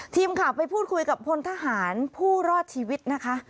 ทีมข่าวไปพูดคุยกับพลทหารผู้รอดชีวิตนะคะ